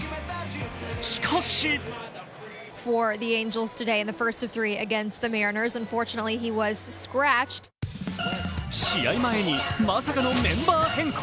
しかし試合前にまさかのメンバー変更